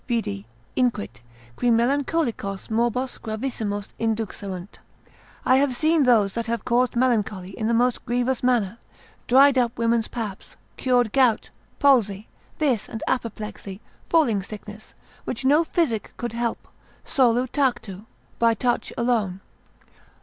Vidi, inquit, qui Melancholicos morbos gravissimos induxerunt: I have seen those that have caused melancholy in the most grievous manner, dried up women's paps, cured gout, palsy; this and apoplexy, falling sickness, which no physic could help, solu tactu, by touch alone.